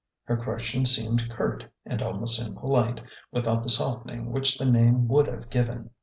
Her question seemed curt and almost impolite without the softening which the name would have given.